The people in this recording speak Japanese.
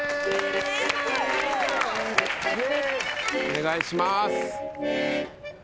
お願いします。